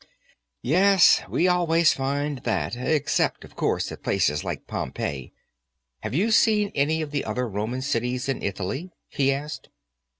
"Yes. We always find that except, of course, at places like Pompeii. Have you seen any of the other Roman cities in Italy?" he asked.